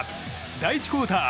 第１クオーター